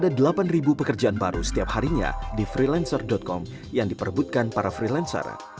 ada delapan pekerjaan baru setiap harinya di freelancer com yang diperbutkan para freelancer